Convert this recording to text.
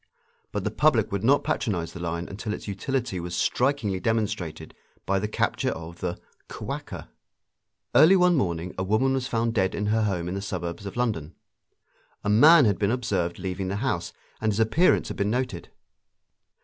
But the public would not patronise the line until its utility was strikingly demonstrated by the capture of the "Kwaker." Early one morning a woman was found dead in her home in the suburbs of London. A man had been observed leaving the house, and his appearance had been noted.